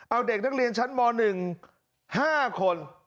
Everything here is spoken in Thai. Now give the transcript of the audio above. เอาเด็กนักเรียนชั้นม๑๕คน